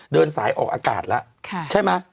เดินสายออกอากาศแล้วใช่ไหม